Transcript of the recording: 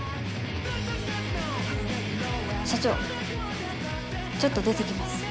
社長ちょっと出てきます。